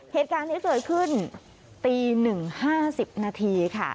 เหตุการณ์ที่เกิดขึ้นตีหนึ่งห้าสิบนาทีค่ะ